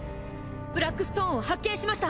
ブラックストーンを発見しました。